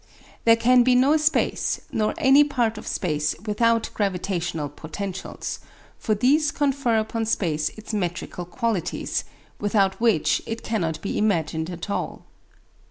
There can be no space nor any part of space without gravitational potentials; for these confer upon space its metrical qualities, without which it cannot be imagined at all.